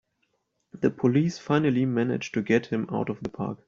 The police finally manage to get him out of the park!